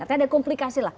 artinya ada komplikasi lah